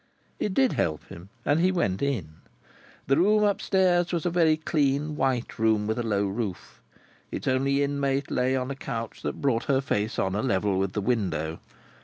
It did help him, and he went in. The room up stairs was a very clean white room with a low roof. Its only inmate lay on a couch that brought her face on a level with the window.